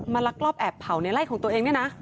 ลักลอบแอบเผาในไล่ของตัวเองเนี่ยนะ